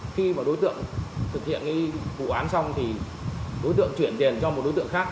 khi đối tượng thực hiện vụ án xong đối tượng chuyển tiền cho một đối tượng khác